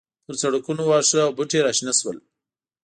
پر سړکونو واښه او بوټي راشنه شول.